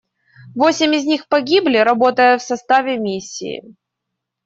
Восемь из них погибли, работая в составе Миссии.